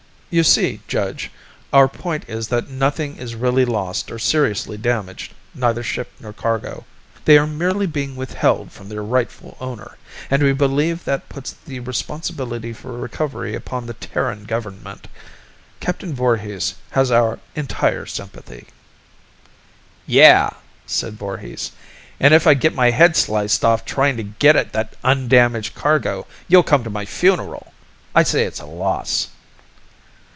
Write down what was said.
"You see, Judge, our point is that nothing is really lost or seriously damaged, neither ship nor cargo. They are merely being withheld from their rightful owner, and we believe that puts the responsibility for recovery upon the Terran government. Captain Voorhis has our entire sympathy " "Yeah!" said Voorhis. "An' if I get my head sliced off tryin' to get at that undamaged cargo, you'll come to my funeral! I say it's a loss!"